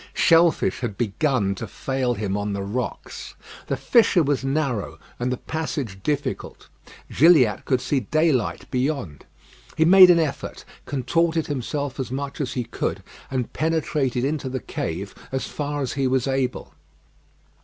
Shell fish had begun to fail him on the rocks. The fissure was narrow, and the passage difficult. Gilliatt could see daylight beyond. He made an effort, contorted himself as much as he could, and penetrated into the cave as far as he was able.